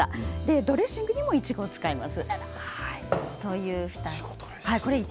ドレッシングにもいちごを使います。